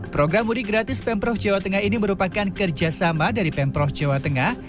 program mudik gratis pemprov jawa tengah ini merupakan kerjasama dari pemprov jawa tengah